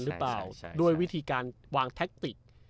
หรือเปล่าใช่ใช่ใช่ใช่ด้วยวิธีการวางอืม